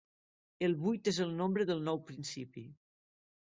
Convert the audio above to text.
El vuit és el nombre del nou principi.